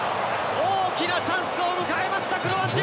大きなチャンスを迎えましたクロアチア。